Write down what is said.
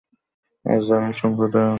আর জালিম সম্প্রদায়কে আল্লাহ সুপথ দেখান না।